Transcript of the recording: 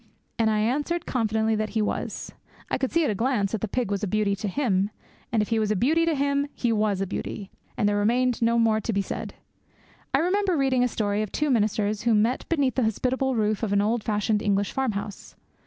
And I answered confidently that he was. I could see at a glance that the pig was a beauty to him; and if he was a beauty to him, he was a beauty, and there remained no more to be said. I remember reading a story of two ministers who met beneath the hospitable roof of an old fashioned English farm house.